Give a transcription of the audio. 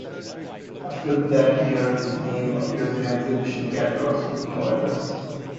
After that year his name appears in exhibition catalogues with no address.